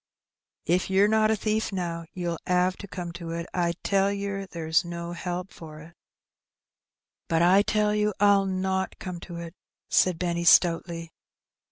If yer not a thief now, ye'll 'ave to come to it. I tell yer there's no help for it." " But I tell you I'll not come to it," said Benny, stoutly.